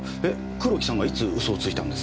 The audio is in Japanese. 黒木さんがいつ嘘をついたんです？